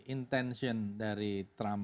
intention dari trump